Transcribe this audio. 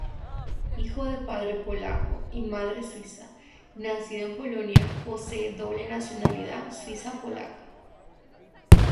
Hijo de padre polaco y madre suiza nacida en Polonia, posee doble nacionalidad suiza-polaca.